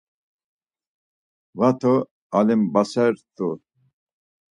Va to alimbasert̆u.